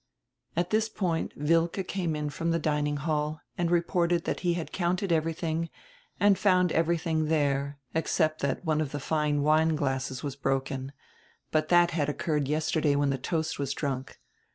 At this point Wilke came in from die dining hall and reported diat he had counted everything and found every tiiing diere, except diat one of die fine wine glasses was broken, but that had occurred yesterday when die toast was drunk.